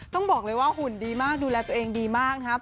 ต้องบอกเลยว่าหุ่นดีมากดูแลตัวเองดีมากนะครับ